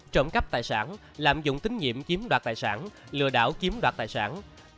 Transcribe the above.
trộm cắp tài sản lạm dụng tín nhiệm chiếm đoạt tài sản lừa đảo chiếm đoạt tài sản